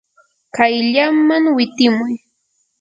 kayllaman witimuy.